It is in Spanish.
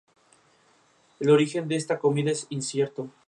Anka afirmó su deseo de convertirse en el modelo a seguir que Suecia necesita.